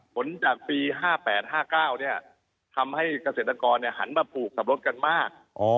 ผลจากปี๕๘๕๙ทำให้เกษตรกรหันมาปลูกขับรถกันมาก